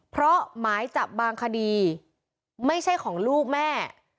เพราะหมายจับบางคดีไม่ใช่ของลูกแม่